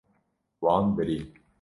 Wan birî.